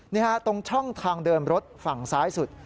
นี่ฮะตรงช่องทางเดินรถฝั่งซ้ายสุด